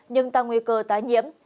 nhưng tăng nguy cơ tái nhiễm